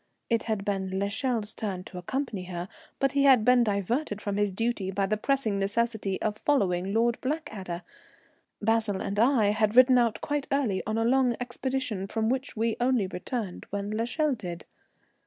It had been l'Echelle's turn to accompany her, but he had been diverted from his duty by the pressing necessity of following Lord Blackadder. Basil and I had ridden out quite early on a long expedition, from which we only returned when l'Echelle did.